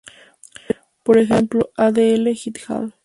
Por ejemplo, Adl "et al.